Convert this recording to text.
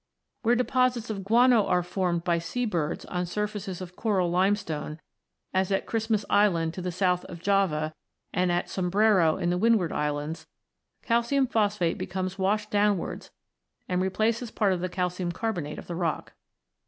Where deposits of guano are formed by sea birds on surfaces of coral limestone, as at Christmas Island to the south of Java and at Sombrero in the Windward Islands, calcium phosphate becomes washed downwards and replaces part of the calcium carbonate of the rock.